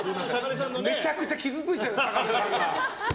めちゃくちゃ傷ついちゃうから。